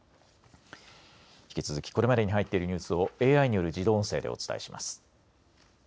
引き続きこれまでに入っているニュースをＡＩによる自動音声でお伝えします。